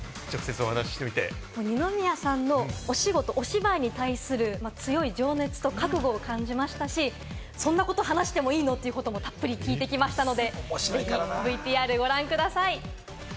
二宮さんのお仕事、お芝居に対する強い情熱と覚悟を感じましたし、そんなこと話してもいいの？ということも、たっぷり聞いてきましたので、ぜひＶＴＲ、ご覧ください。